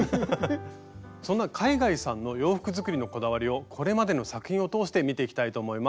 そんな海外さんの洋服作りのこだわりをこれまでの作品を通して見ていきたいと思います。